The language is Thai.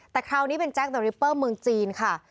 แต่คราวนี้เป็นแจ๊คเดอริปเปอร์เมืองจีนค่ะ